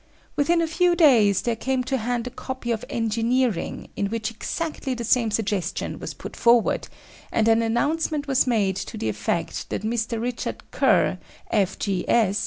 Within a few days there came to hand a copy of Engineering in which exactly the same suggestion was put forward, and an announcement was made to the effect that Mr. Richard Kerr, F.G.S.